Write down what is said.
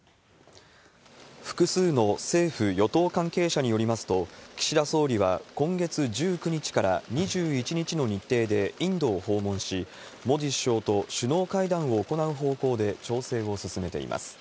複数の政府与党関係者によりますと、岸田総理は今月１９日から２１日の日程でインドを訪問し、モディ首相と首脳会談を行う方向で調整を進めています。